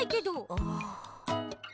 ああ。